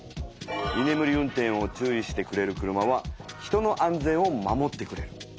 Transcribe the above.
いねむり運転を注意してくれる車は人の安全を守ってくれる。